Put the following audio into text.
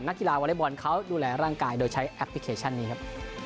กีฬาวอเล็กบอลเขาดูแลร่างกายโดยใช้แอปพลิเคชันนี้ครับ